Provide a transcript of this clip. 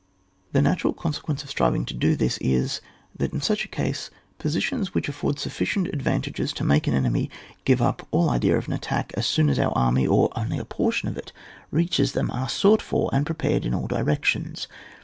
The natural consequence of striving to do this is, that in such a case, positions which afford sufilcient advantages to make an enemy give up all idea of an attack as soon as our army, or only a portion of it, reaches them, are sought for and pre pared in all directions.